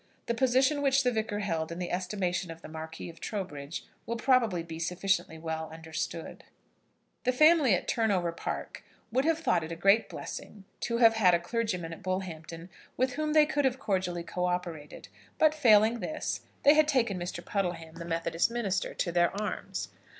The position which the Vicar held in the estimation of the Marquis of Trowbridge will probably be sufficiently well understood. The family at Turnover Park would have thought it a great blessing to have had a clergyman at Bullhampton with whom they could have cordially co operated; but, failing this, they had taken Mr. Puddleham, the Methodist minister, to their arms.